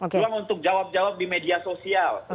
ruang untuk jawab jawab di media sosial